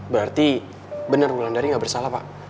berarti benar wulan dari nggak bersalah pak